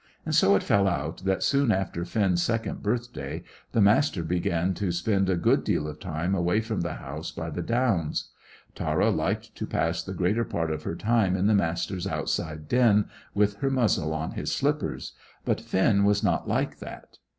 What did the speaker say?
And so it fell out that soon after Finn's second birthday the Master began to spend a good deal of time away from the house by the Downs. Tara liked to pass the greater part of her time in the Master's outside den with her muzzle on his slippers, but Finn was not like that.